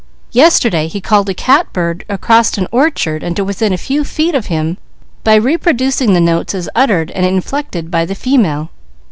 Yesterday he called a catbird to within a few feet of him, by reproducing the notes as uttered and inflected by the female."